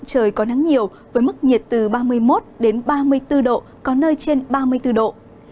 trời có nắng nhiều với mức nhiệt từ ba mươi một ba mươi bốn độ có nơi trên ba mươi bốn độ